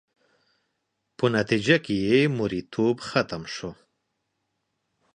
په نتیجه کې یې مریتوب ختم شو